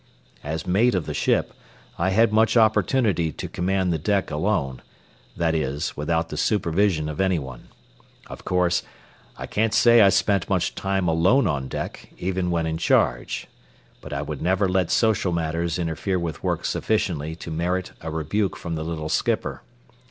As mate of the ship, I had much opportunity to command the deck alone; that is, without the supervision of any one. Of course, I can't say I spent much time alone on deck, even when in charge; but I would never let social matters interfere with work sufficiently to merit a rebuke from the little skipper.